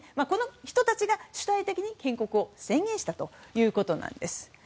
この人たちが主体的に建国を宣言したんです。